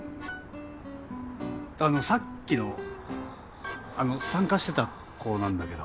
あのさっきのあの参加してた子なんだけど。